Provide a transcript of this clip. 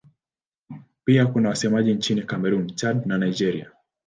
Pia kuna wasemaji nchini Kamerun, Chad na Nigeria.